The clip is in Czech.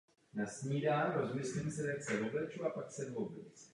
Články i román podávají velmi jednostranný obraz té doby.